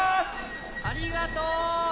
ありがとう！